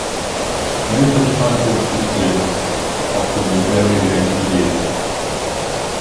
Many such hybrids exist, often with variegated leaves.